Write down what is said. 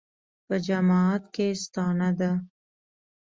په جماعت کې یې ستانه ده.